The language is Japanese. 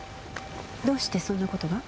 どうしてそんな事が？